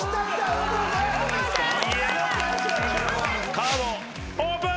カードオープン！